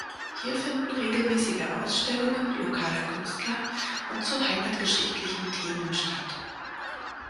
Hier finden regelmäßige Ausstellungen lokaler Künstler und zu heimatgeschichtlichen Themen statt.